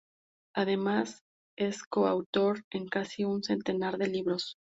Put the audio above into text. Además es coautor en casi un centenar de libros.